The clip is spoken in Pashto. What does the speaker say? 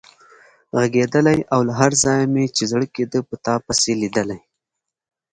غږېدلای او له هر ځایه مې چې زړه کېده په تا پسې لیدلی.